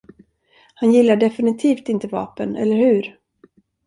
Han gillar definitivt inte vapen, eller hur?